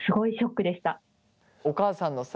お母さんのさ